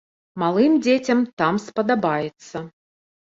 Малым дзецям там спадабаецца.